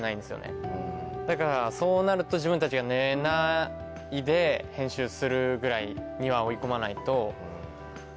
だからそうなると自分たちが寝ないで編集するぐらいには追い込まないと。